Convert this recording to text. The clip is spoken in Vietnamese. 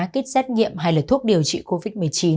kit xét nghiệm hay là thuốc điều trị covid một mươi chín